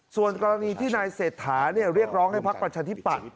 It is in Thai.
ส่วนกรณีที่นายเศรษฐาเรียกร้องให้พักประชาธิปัตย